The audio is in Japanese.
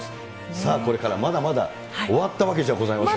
さあ、これからまだまだ終わったわけじゃございません。